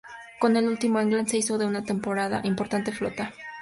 Con el tiempo England se hizo de una importante flota.